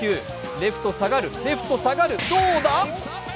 レフト下がる、レフト下がる、どうだ？